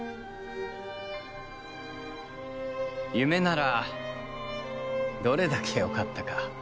夢ならどれだけよかったか。